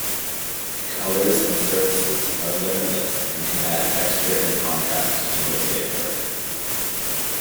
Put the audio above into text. Colours and surfaces are limitless and can add texture and contrast to mosaic work.